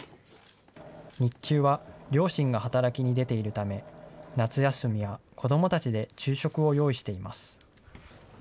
日中は両親が働きに出ているため、夏休みは子どもたちで昼食を用意しています。